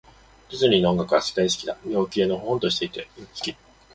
ディズニーの音楽は、大好きだ。陽気で、のほほんとしていて。うん、好き。